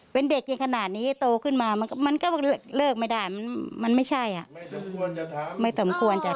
เป็นเด็กกันขนาดนี้โตขึ้นมามันก็เลิกไม่ได้มันไม่ใช่อ่ะไม่สมควรจะ